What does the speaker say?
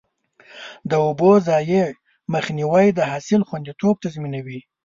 د اوبو ضایع مخنیوی د حاصل خوندیتوب تضمینوي.